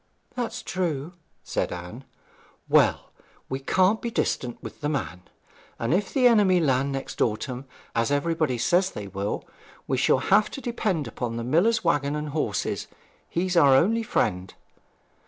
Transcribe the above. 'That's true,' said Anne. 'Well, we can't be distant with the man. And if the enemy land next autumn, as everybody says they will, we shall have quite to depend upon the miller's waggon and horses. He's our only friend.'